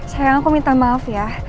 sayang aku minta maaf ya